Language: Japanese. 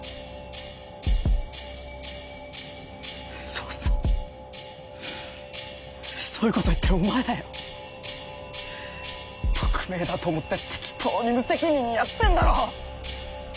そうそうそういうこと言ってるお前だよ匿名だと思って適当に無責任にやってんだろ？